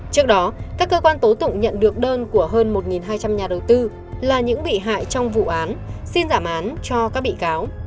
trước đó các cơ quan tố tụng nhận được đơn của hơn một hai trăm linh nhà đầu tư là những bị hại trong vụ án xin giảm án cho các bị cáo